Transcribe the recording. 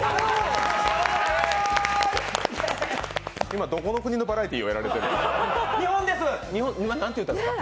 今、どこの国のバラエティーをやられているんですか？